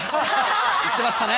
言ってましたね。